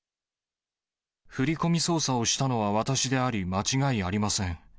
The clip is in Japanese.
振り込み操作をしたのは私であり、間違いありません。